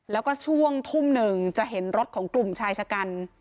แล้วก็ช่วงทุ่มหนึ่งจะเห็นรถของกลุ่มชายชะกัน